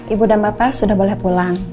ibu dan bapak sudah boleh pulang